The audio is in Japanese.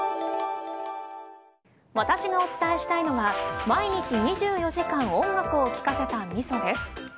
私がお伝えしたいのは毎日２４時間音楽を聴かせたみそです。